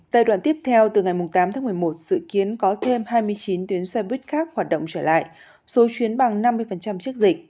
giai đoạn tiếp theo từ ngày tám tháng một mươi một dự kiến có thêm hai mươi chín tuyến xe buýt khác hoạt động trở lại số chuyến bằng năm mươi trước dịch